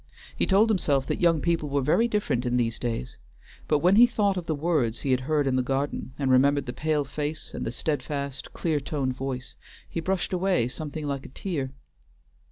He told himself that young people were very different in these days; but when he thought of the words he had heard in the garden, and remembered the pale face and the steadfast, clear toned voice, he brushed away something like a tear.